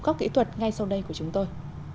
các kỹ thuật ngay sau đây của chúng tôi